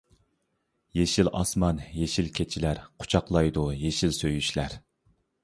يېشىل ئاسمان يېشىل كېچىلەر، قۇچاقلايدۇ يېشىل سۆيۈشلەر.